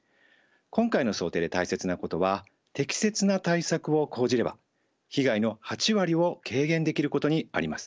今回の想定で大切なことは適切な対策を講じれば被害の８割を軽減できることにあります。